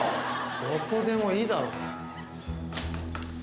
どこでもいいだろ。